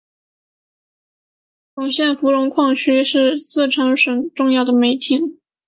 珙县芙蓉矿区是四川省重要的煤田。